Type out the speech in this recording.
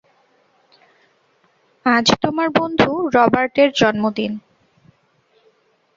আজ তোমার বন্ধু রবার্টের জন্মদিন।